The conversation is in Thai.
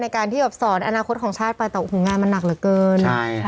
ในการที่สอนอนาคตของชาติไปแต่งานมันหนักเหลือเกิน